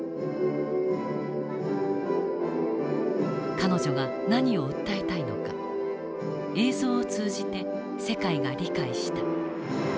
彼女が何を訴えたいのか映像を通じて世界が理解した。